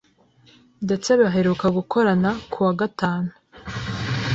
ndetse baheruka gukorana ku wa gatanu